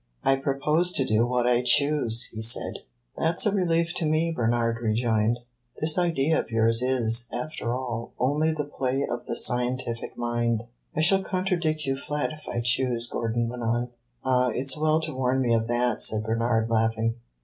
"I propose to do what I choose!" he said. "That 's a relief to me," Bernard rejoined. "This idea of yours is, after all, only the play of the scientific mind." "I shall contradict you flat if I choose," Gordon went on. "Ah, it 's well to warn me of that," said Bernard, laughing.